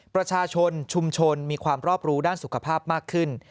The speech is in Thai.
ประชาชนชุมชนมีความรอบรู้ด้านสุขภาพมากขึ้น